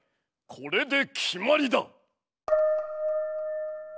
これで決まりだ！